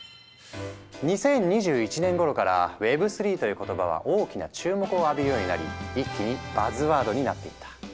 ２０２１年頃からＷｅｂ３という言葉は大きな注目を浴びるようになり一気にバズワードになっていった。